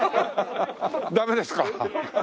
ダメですか？